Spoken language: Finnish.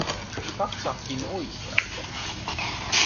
Katsahdin oikealle.